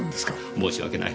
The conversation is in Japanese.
申し訳ない。